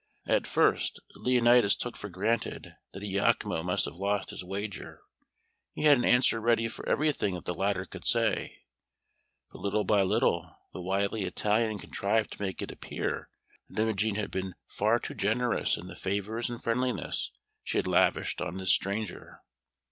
At first Leonatus took for granted that Iachimo must have lost his wager; he had an answer ready for everything that the latter could say; but little by little the wily Italian contrived to make it appear that Imogen had been far too generous in the favours and friendliness she had lavished on this stranger.